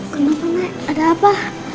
kenapa nek ada apa